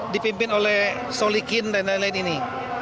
dipimpin oleh solikin dan lain lain ini